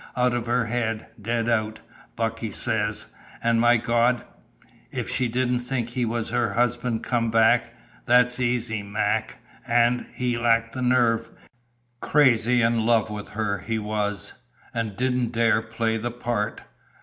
Out of her head! Dead out, Bucky says an' my Gawd! If she didn't think he was her husband come back! That easy, Mac an' he lacked the nerve! Crazy in love with her, he was, an' didn't dare play the part.